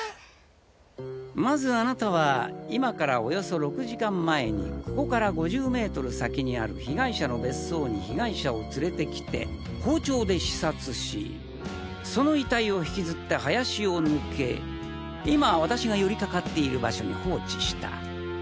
まずあなたは今からおよそ６時間前にここから５０ｍ先にある被害者の別荘に被害者を連れて来て包丁で刺殺しその遺体を引きずって林を抜け今私が寄りかかっている場所に放置した。